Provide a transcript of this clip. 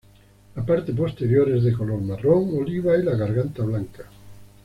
La parte posterior es de color marrón oliva y la garganta blanca.